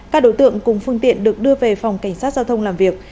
các đối tượng cùng phương tiện được đưa về phòng cảnh sát giao thông làm việc